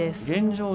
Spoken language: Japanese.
現状